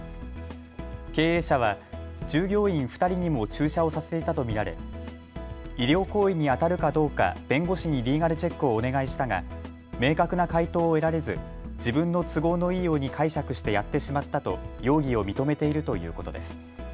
経営者は従業員２人にも注射をさせていたと見られ医療行為にあたるかどうか弁護士にリーガルチェックをお願いしたが明確な回答を得られず自分の都合のいいように解釈してやってしまったと容疑を認めているということです。